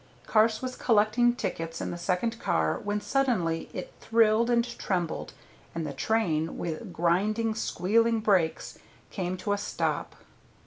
Carse was collecting tickets in the second car when suddenly it thrilled and trembled, and the train, with grinding squealing brakes, came to a stop.